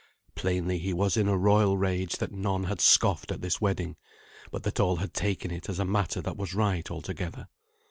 Plainly he was in a royal rage that none had scoffed at this wedding, but that all had taken it as a matter that was right altogether.